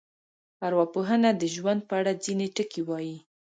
ارواپوهنه د ژوند په اړه ځینې ټکي وایي.